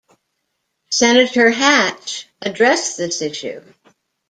Senator Hatch addressed this issue.